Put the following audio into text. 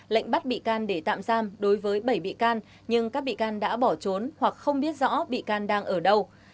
lệnh bắt bị can để tạm giam đối với bảy bị can nhưng các bị can đã bỏ trốn hoặc không biết rõ bị can đang ở đâu